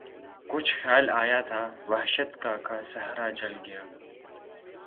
کچھ خیال آیا تھا وحشت کا کہ صحرا جل گیا